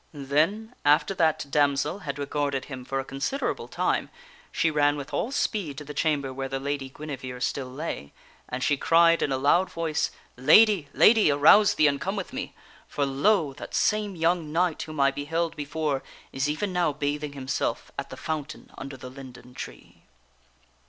Then, after that damsel had regarded him for a considerable time, she ran with all speed to the chamber where the Lady Guinevere still lay, and she cried in a loud voice, " Lady ! lady ! arouse thee and come with me ! For, lo ! that same young knight whom I beheld before, is even now bathing himself at the fountain under the linden tree."